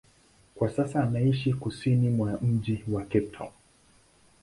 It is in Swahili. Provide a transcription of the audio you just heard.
Kwa sasa anaishi kusini mwa mji wa Cape Town.